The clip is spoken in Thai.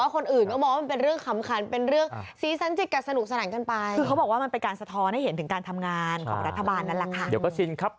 เขาบอกว่ามันเป็นการสะท้อนให้เห็นถึงการทำงานของรัฐบาลนั้นแหละค่ะเดี๋ยวก็สินครับ